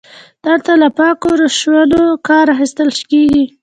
دلته له پاکو روشونو کار اخیستل کیږي.